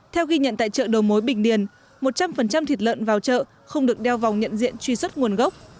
theo ghi nhận tại chợ đầu mối bình điền một trăm linh thịt lợn vào chợ không được đeo vòng nhận diện truy xuất nguồn gốc